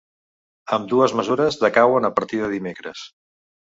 Ambdues mesures decauen a partir de dimecres.